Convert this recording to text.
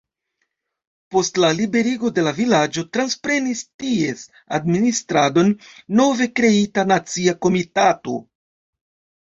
Post la liberigo de la vilaĝo transprenis ties administradon nove kreita nacia komitato.